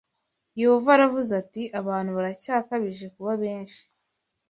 Yehova aravuze ati ‘abantu baracyakabije kuba benshi